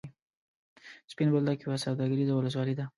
سپین بولدک یوه سوداګریزه ولسوالي ده.